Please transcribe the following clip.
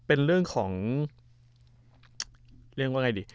เป็นเรื่องของเรียกว่าไงดิ